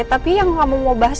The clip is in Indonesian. tapi yang kamu mau bahas